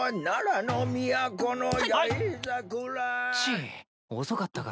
チッ遅かったか。